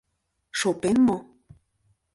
— Шопен мо?